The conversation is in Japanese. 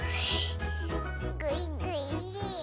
ぐいぐい。